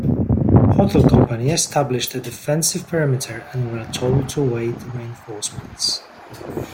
Hotel Company established a defensive perimeter and were told to await reinforcements.